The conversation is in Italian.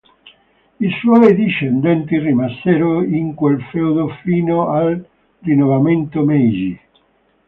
I suoi discendenti rimasero in quel feudo fino al rinnovamento Meiji.